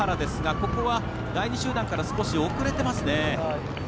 ここは、第２集団から少し遅れていますね。